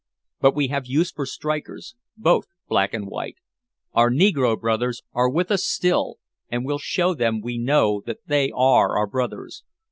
But we have use for strikers, both black and white our negro brothers are with us still, and we'll show them we know that they are our brothers.